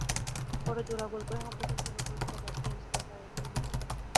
পরে জোড়া গোল করে হাফ ডজন পূর্ণ করেছেন বসনিয়ান স্ট্রাইকার এডিন জেকো।